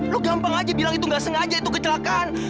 lo gampang aja bilang itu gak sengaja itu kecelakaan